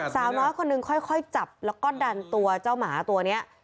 สาวน้อยคนนึงค่อยจับแล้วก็ดันตัวเจ้าหมาตัวนี้